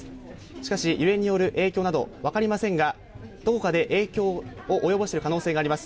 しかし揺れによる影響など分かりませんがどこかで影響を及ぼしている可能性があります。